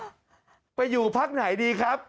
ไปอยู่พักไหนดีครับ